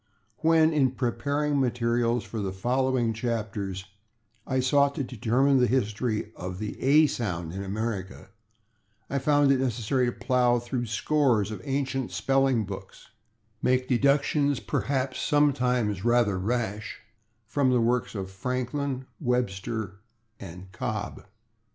When, in preparing materials for the following chapters, I sought to determine the history of the /a/ sound in America, I found it necessary to plow through scores of ancient spelling books, and to make deductions, perhaps sometimes rather rash, from the works of Franklin, Webster and Cobb.